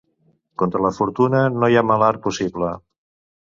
Contra la fortuna no hi ha mala art possible.